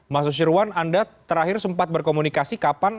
mas nusirwan anda terakhir sempat berkomunikasi kapan